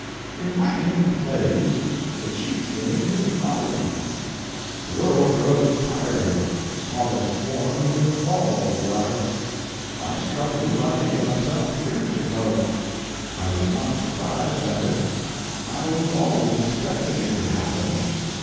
In writing plays the chief thing is novelty. The world grows tired of solid forms in all the arts. I struck a new idea myself years ago. I was not surprised at it. I was always expecting it would happen.